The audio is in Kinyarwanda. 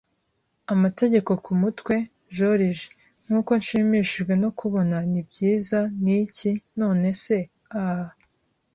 amategeko kumutwe, Joriji, nkuko nshimishijwe no kubona. Nibyiza, niki, nonese? Ah!